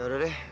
ya udah deh